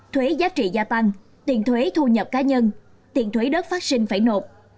thuế giá trị gia tăng tiền thuế thu nhập cá nhân tiền thuế đất phát sinh phải nộp